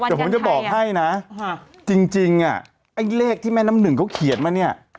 แล้ววันกันชัยวันกันชัยอ่ะวันกันชัยอ่ะจริงอ่ะไอ้เลขที่แม่น้ำหนึ่งเขาเขียนมาเนี่ย